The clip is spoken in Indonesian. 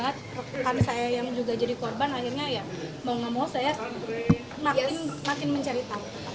karena banyak teman sahabat rekan saya yang juga jadi korban akhirnya ya mau ngomong saya makin mencari tahu